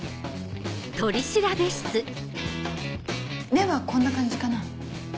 目はこんな感じかな？